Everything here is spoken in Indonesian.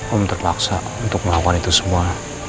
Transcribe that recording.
om terpaksa untuk melakukan itu semua